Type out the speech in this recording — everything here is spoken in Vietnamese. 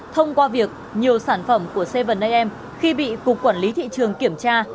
thông qua việc nhiều sản phẩm của sevan am khi bị cục quản lý thị trường kiểm tra